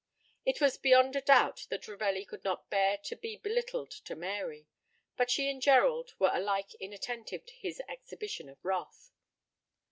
It was beyond a doubt that Ravelli could not bear to be belittled to Mary; but she and Gerald were alike inattentive to his exhibition of wrath.